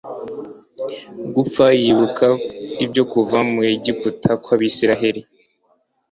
gupfa yibuka ibyo kuva mu Egiputa kw Abisirayeli